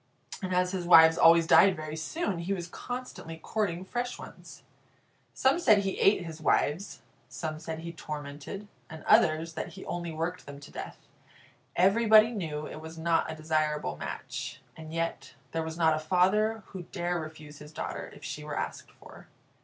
And as his wives always died very soon, he was constantly courting fresh ones. Some said he ate his wives; some said he tormented, and others, that he only worked them to death. Everybody knew it was not a desirable match, and yet there was not a father who dare refuse his daughter if she were asked for.